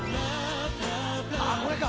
あっこれか！